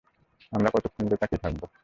আর কতক্ষণ সে তাকিয়ে থাকবে।